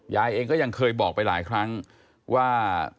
ยายเองก็ยังเคยบอกไปหลายครั้งว่า